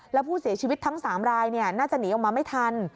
แล้วผู้เสียชีวิตทั้ง๓รายน่าจะหนีออกมาไม่ทัน